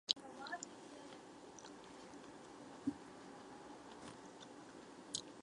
姜氏芋螺为芋螺科芋螺属下的一个种。